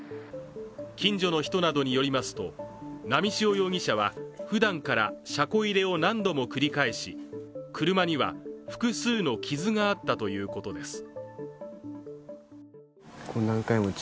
近所の人などによりますと、波汐容疑者はふだんから車庫入れを何度も繰り返し車には複数の傷があったということです。